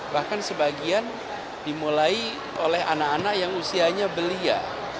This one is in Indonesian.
bahkan sebagian dimulai oleh anak anak yang usianya belia